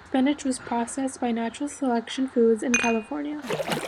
The spinach was processed by Natural Selection Foods in California.